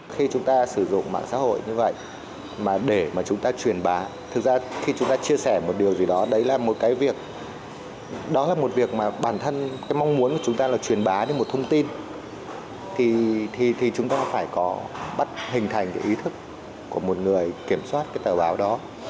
khi chúng ta sử dụng mạng xã hội như vậy mà để mà chúng ta truyền bá thực ra khi chúng ta chia sẻ một điều gì đó đấy là một cái việc đó là một việc mà bản thân cái mong muốn của chúng ta là truyền bá được một thông tin thì chúng ta phải có bắt hình thành cái ý thức của một người kiểm soát cái tờ báo đó